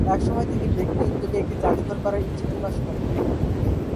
একসময় তিনি ব্যক্তি উদ্যোগে একটি জাদুঘর করার ইচ্ছা প্রকাশ করেন।